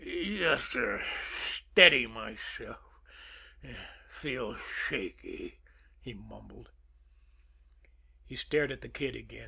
"Jus'er steady myself feel shaky," he mumbled. He stared at the Kid again.